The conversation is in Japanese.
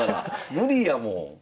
無理やもん。